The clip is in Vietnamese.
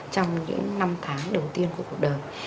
trong những năm tháng đầu tiên của cuộc đời